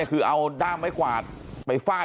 คือเอาดั้มไว้ขวาดไปฝาด